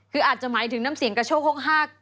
คืออาจจะหมายถึงน้ำเสียงกระโชคโฮก